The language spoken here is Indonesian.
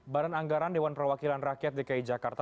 badan anggaran dewan perwakilan rakyat dki jakarta